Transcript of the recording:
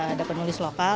ada penulis lokal